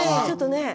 ちょっとね。